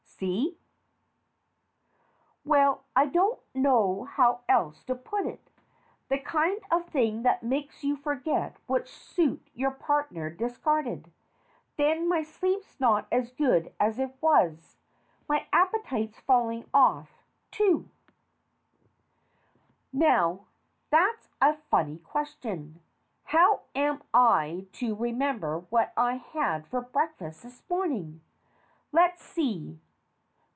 See ? Well, I don't know how else to put it. The kind of thing that makes you forget which suit your partner discarded. Then, my sleep's not as good as it was. My appetite's falling off, too. 210 STORIES WITHOUT TEARS Now, that's a funny question. How am I to re member what I had for breakfast this morning? Let's see.